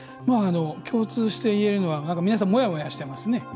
共通して言えるのは皆さん、もやもやしてますね。